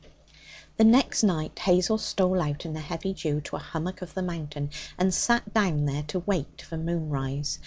The next night Hazel stole out in the heavy dew to a hummock of the mountain, and sat down there to wait for moonrise.